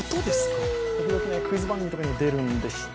時々クイズ番組とかにも出るんですが。